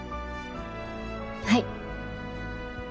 はい。